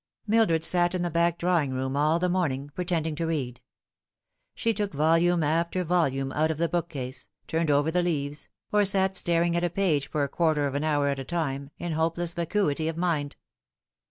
Mildred sat in the back drawing room all the morning, pre tending to read. She took volume after volume out of the bookcase, turned over the leaves, or sat staring at a page for a quarter of an hour at a time, in hopeless vacuity of mind.